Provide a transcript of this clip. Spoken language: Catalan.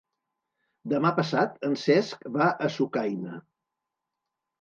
Demà passat en Cesc va a Sucaina.